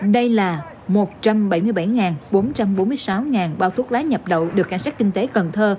đây là một trăm bảy mươi bảy bốn trăm bốn mươi sáu bao thuốc lá nhập đậu được cảnh sát kinh tế cần thơ